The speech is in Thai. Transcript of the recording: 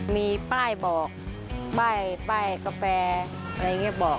มีป้ายบอกป้ายกาแฟอะไรอย่างนี้บอก